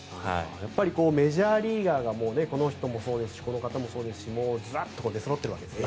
やっぱりメジャーリーガーがこの人もそうですしこの方もそうですしずらっと出そろっているわけですね。